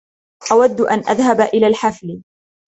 أود أن أذهب إلى الحفل.